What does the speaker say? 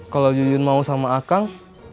kalau judin mau sama akang